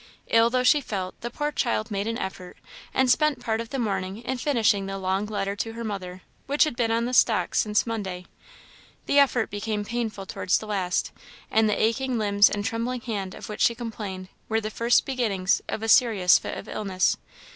Ill though she felt, the poor child made an effort, and spent part of the morning in finishing the long letter to her mother, which had been on the stocks since Monday. The effort became painful towards the last: and the aching limbs and trembling hand of which she complained, were the first beginnings of a serious fit of illness.